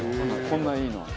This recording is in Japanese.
こんないいの。